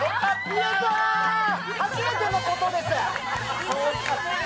初めてのことです！